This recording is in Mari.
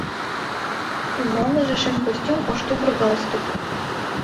Ӱмбалныже — шем костюм, ош тувыр, галстук.